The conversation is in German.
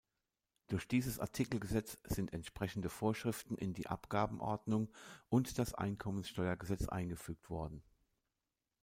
Durch dieses Artikelgesetz sind entsprechende Vorschriften in die Abgabenordnung und das Einkommensteuergesetz eingefügt worden.